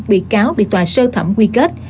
bị cáo bị tòa sơ thẩm quy kết